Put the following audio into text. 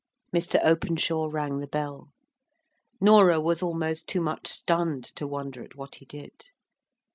Mr. Openshaw rang the bell. Norah was almost too much stunned to wonder at what he did.